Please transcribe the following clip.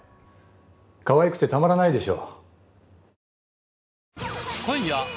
かわいくてたまらないでしょ？